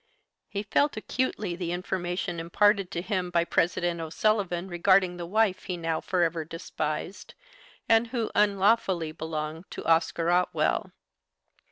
He felt acutely the information imparted to him by President O'Sullivan regarding the wife he now for ever despised, and who unlawfully belonged to Oscar Otwell.